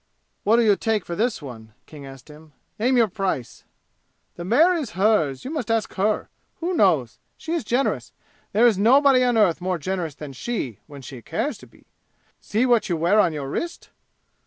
"What'll you take for this one?" King asked him. "Name your price!" "The mare is hers. You must ask her. Who knows? She is generous. There is nobody on earth more generous than she when she cares to be. See what you wear on your wrist!"